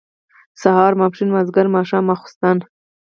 سهار ، ماسپښين، مازيګر، ماښام ، ماسخوتن